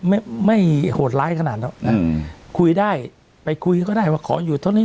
ไม่ไม่โหดร้ายขนาดหรอกนะอืมคุยได้ไปคุยก็ได้ว่าขออยู่เท่านี้